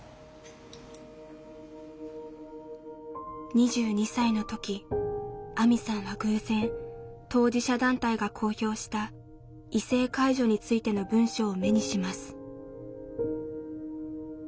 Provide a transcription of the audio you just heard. ２２歳の時あみさんは偶然当事者団体が公表した異性介助についての文章を目にします。